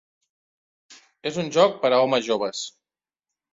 És un joc per a homes joves.